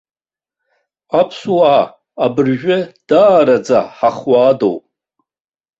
Аԥсуаа абыржәы даараӡа ҳахуаадоуп.